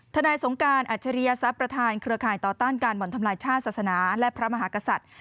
นายสงการอัจฉริยศัพย์ประธานเครือข่ายต่อต้านการบ่อนทำลายชาติศาสนาและพระมหากษัตริย์